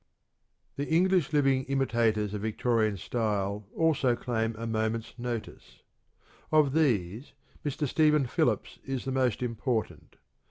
The English living imitators of Victorian style also claim a moment's notice. Of these Mr. Stephen Phillips is the most important.